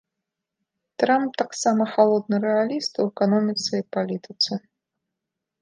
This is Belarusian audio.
Трамп таксама халодны рэаліст у эканоміцы і палітыцы.